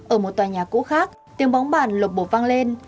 ở một tòa nhà cũ khác tiếng bóng bàn lột bộ vang lên